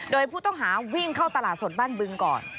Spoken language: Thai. โดยผู้ต้องหาวิ่งเข้าตลาดสดบ้านบึงก่อน